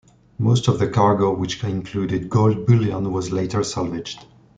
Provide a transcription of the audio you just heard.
Most of the cargo, which included gold bullion, was later salvaged.